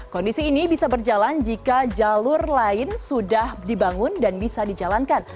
kondisi ini bisa berjalan jika jalur lain sudah dibangun dan bisa dijalankan